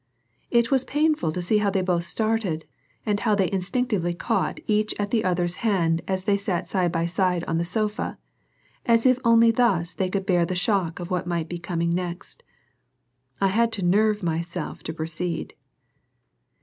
It was painful to see how they both started, and how they instinctively caught each at the other's hand as they sat side by side on the sofa, as if only thus they could bear the shock of what might be coming next. I had to nerve myself to proceed.